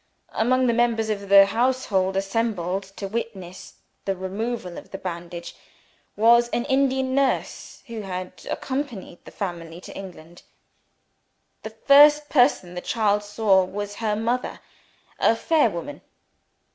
Among the members of the household assembled to witness the removal of the bandage, was an Indian nurse who had accompanied the family to England. The first person the child saw was her mother a fair woman.